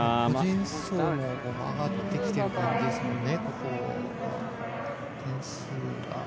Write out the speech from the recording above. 個人総合も上がってきてる感じですもんね。